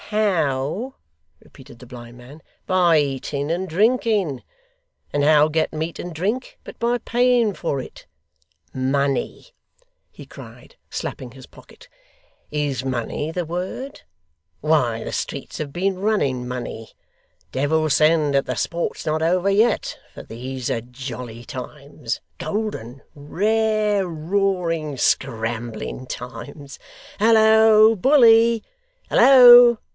'How!' repeated the blind man. 'By eating and drinking. And how get meat and drink, but by paying for it! Money!' he cried, slapping his pocket. 'Is money the word? Why, the streets have been running money. Devil send that the sport's not over yet, for these are jolly times; golden, rare, roaring, scrambling times. Hallo, bully! Hallo!